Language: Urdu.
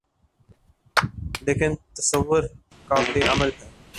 لیکن تصور قابلِعمل ہے